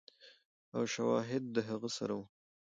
او شواهد د هغه سره ؤ